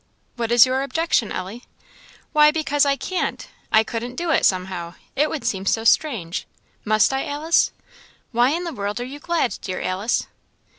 "What is your objection, Ellie?" "Why, because I can't! I couldn't do it, somehow. It would seem so strange. Must I, Alice? Why in the world are you glad, dear Alice?"